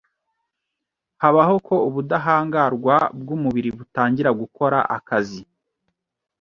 habaho ko ubudahangarwa bw’umubiri butangira gukora akazi